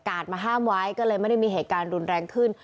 มาห้ามไว้ก็เลยไม่ได้มีเหตุการณ์รุนแรงขึ้น